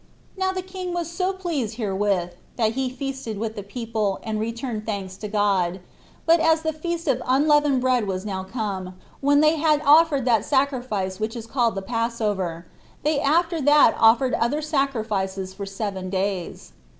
Now the king was so pleased herewith, that he feasted with the people, and returned thanks to God; but as the feast of unleavened bread was now come, when they had offered that sacrifice which is called the passover, they after that offered other sacrifices for seven days.